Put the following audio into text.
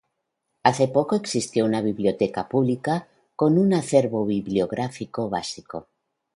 Hasta hace poco existió una biblioteca pública con un acervo bibliográfico básico.